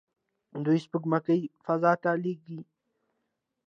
دوی سپوږمکۍ فضا ته لیږي.